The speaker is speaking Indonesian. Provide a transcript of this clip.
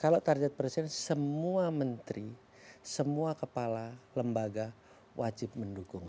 kalau target presiden semua menteri semua kepala lembaga wajib mendukung